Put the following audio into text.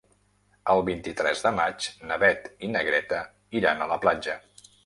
El vint-i-tres de maig na Beth i na Greta iran a la platja.